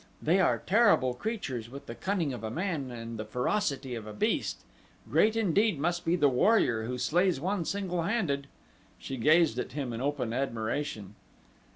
They are terrible creatures with the cunning of man and the ferocity of a beast. Great indeed must be the warrior who slays one single handed." She gazed at him in open admiration.